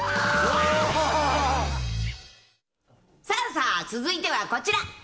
さあさあ、続いてはこちら。